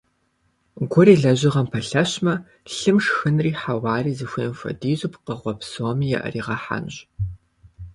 Гур и лэжьыгъэм пэлъэщмэ, лъым шхынри хьэуари зыхуейм хуэдизу пкъыгъуэ псоми яӀэригъэхьэнущ.